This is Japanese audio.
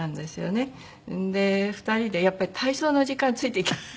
で２人でやっぱり体操の時間ついていけない。